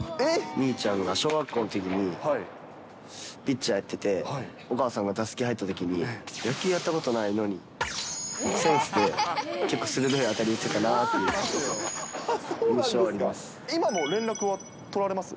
兄ちゃんが小学校のときに、ピッチャーやってて、お母さんが打席に入ったときに、野球やったことないのに、結構鋭い当たり打ってたなという印象あります。